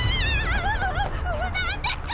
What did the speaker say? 何ですか？